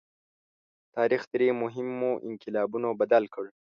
تاریخ درې مهمو انقلابونو بدل کړ.